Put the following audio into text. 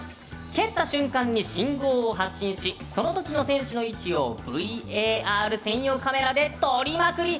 蹴った瞬間に信号を発信しその時の選手の位置をＶＡＲ専用カメラで撮りまくり。